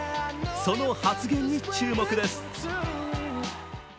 その発言に注目です。